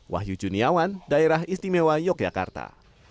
wahyu juniawan daerah istimewa yogyakarta